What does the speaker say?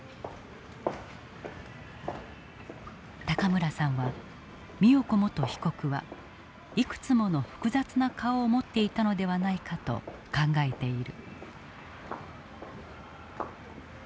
村さんは美代子元被告はいくつもの複雑な顔を持っていたのではないかと考えている。